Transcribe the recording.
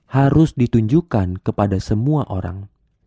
harus ditunjukkan kepada semua orang